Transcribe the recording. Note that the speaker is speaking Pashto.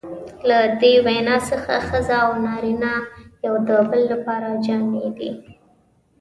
له دې وینا څخه ښځه او نارینه یو د بل لپاره جامې دي.